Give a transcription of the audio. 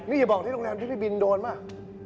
นี่อย่าบอกที่โรงแรมที่พี่บินโดนป่ะ